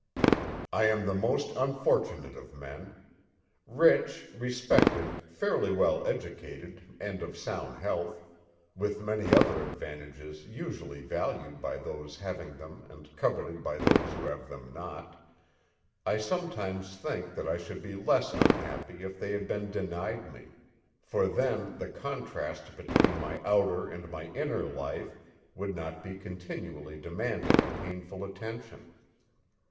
I AM the most unfortunate of men. Rich, respected, fairly well educated and of sound health—with many other advantages usually valued by those having them and coveted by those who have them not—I sometimes think that I should be less unhappy if they had been denied me, for then the contrast between my outer and my inner life would not be continually demanding a painful attention.